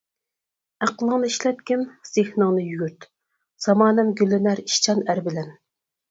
ئەقلىڭنى ئىشلەتكىن، زېھنىڭنى يۈگۈرت، زامانەم گۈللىنەر ئىشچان ئەر بىلەن.